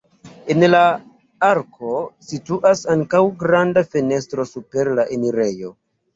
En la arko situas ankaŭ granda fenestro super la enirejo.